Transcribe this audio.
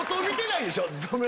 見てないでしょ？